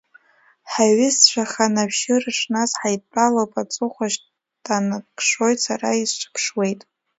Ҳаиҩызцәахан ашәшьыраҿ нас ҳаидтәалоуп, Аҵыхәа шьҭанакшоит сара исҿаԥшуеит.